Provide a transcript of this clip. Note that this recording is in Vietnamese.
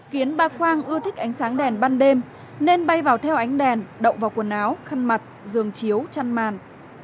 kiến ba khoang ưa thích ánh sáng đèn ban đêm nên bay vào theo ánh đèn đậu vào quần áo khăn mặt giường chiếu chăn màn